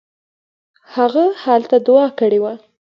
هغه هلته دوعا کړې وه.